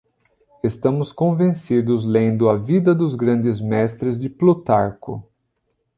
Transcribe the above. Estamos convencidos lendo a Vida dos grandes mestres de Plutarco.